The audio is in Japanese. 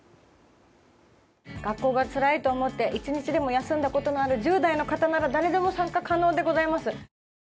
学校がつらいと思って１日でも休んだことのある１０代の方なら誰でも参加可能でございます。